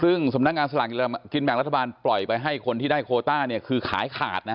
ซึ่งสำนักงานสลากกินแบ่งรัฐบาลปล่อยไปให้คนที่ได้โคต้าเนี่ยคือขายขาดนะ